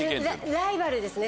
ライバルですね